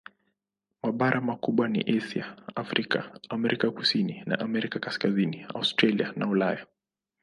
Mabara makubwa ni Asia, Afrika, Amerika Kusini na Amerika Kaskazini, Australia na Ulaya.